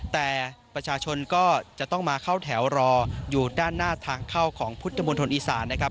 แต่ประชาชนก็จะต้องมาเข้าแถวรออยู่ด้านหน้าทางเข้าของพุทธมนตรอีสานนะครับ